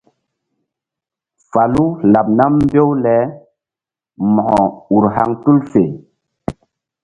Falu laɓ nam mbew bale Mo̧ko ur haŋ tul fe.